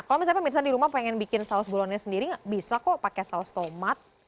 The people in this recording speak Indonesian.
kalau misalnya pemirsa di rumah pengen bikin saus bolonnya sendiri bisa kok pakai saus tomat